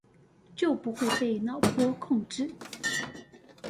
就不會被腦波控制